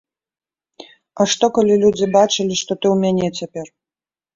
А што, калі людзі бачылі, што ты ў мяне цяпер.